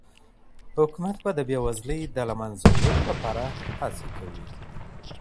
حکومت به د بيوزلۍ د لمنځه وړلو لپاره هڅي کوي.